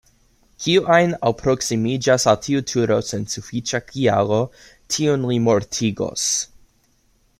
Kiu ajn alproksimiĝas al tiu turo sen sufiĉa kialo, tiun li mortigos.